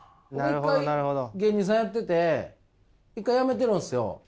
一回芸人さんやってて一回辞めてるんですよ。